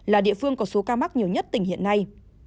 là địa phương có số ca mắc nhiều nhất tỉnh hiện nay